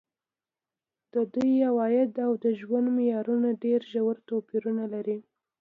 د دوی عواید او د ژوند معیارونه ډېر ژور توپیرونه لري.